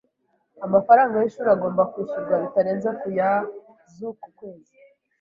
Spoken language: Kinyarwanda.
Amafaranga y'ishuri agomba kwishyurwa bitarenze ku ya z'uku kwezi.